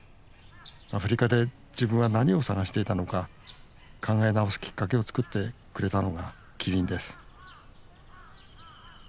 アフリカで自分は何を探していたのか考え直すきっかけを作ってくれたのがキリンです